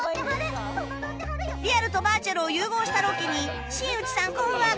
リアルとバーチャルを融合したロケに新内さん困惑